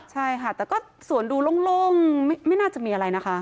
ใช่ค่ะแต่ก็สวนดูโล่งไม่น่าจะมีอะไรนะคะ